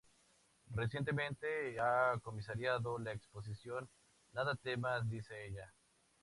Recientemente ha comisariado la exposición "Nada temas, dice ella.